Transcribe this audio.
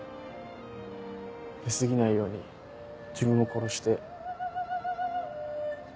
出過ぎないように自分を殺して。